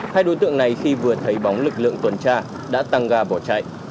hai đối tượng này khi vừa thấy bóng lực lượng tuần tra đã tăng ga bỏ chạy